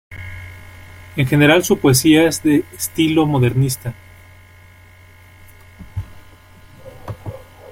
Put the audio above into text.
En general su poesía es de estilo modernista.